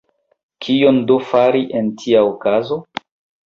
Kion do fari en tia okazo?